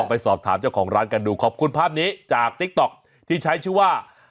ไปสอบถามเจ้าของร้านกันดูขอบคุณภาพนี้จากติ๊กต๊อกที่ใช้ชื่อว่า